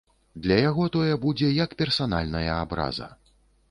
Для яго тое будзе як персанальная абраза.